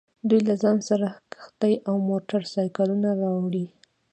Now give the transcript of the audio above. دوی له ځان سره کښتۍ او موټر سایکلونه راوړي